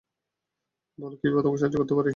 বলো কীভাবে তোমাকে সাহায্য করতে পারি?